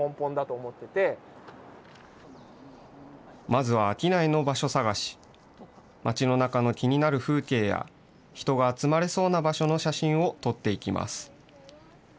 まずは商いの場所探し、町の中の気になる風景や、人が集まれそうな場所の写真を撮っていきます。